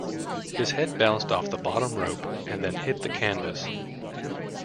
His head bounced off the bottom rope, and then hit the canvas.